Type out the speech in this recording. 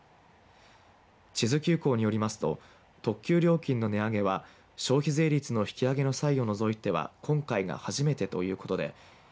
智頭急行によりますと特急料金の値上げは消費税率の引き上げの際を除いては今回が初めてということです。